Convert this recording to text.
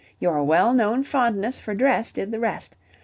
Your well known fondness for dress did the rest.